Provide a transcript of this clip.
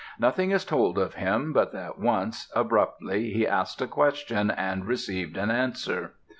Nothing is told of him but that once, abruptly, he asked a question, and received an answer.